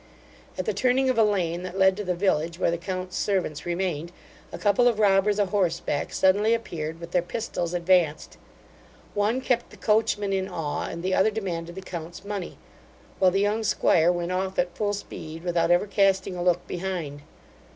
At the turning of a lane, that led to the village where the count's servants remained, a couple of robbers a horseback suddenly appeared, with their pistols advanced: one kept the coachman in awe, and the other demanded the count's money, while the young 'squire went off at full speed, without ever casting a look behind.